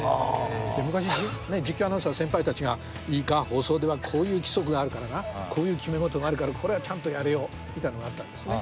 昔実況アナウンサーの先輩たちが「いいか放送ではこういう規則があるからなこういう決め事があるからこれはちゃんとやれよ」みたいなのがあったんですね。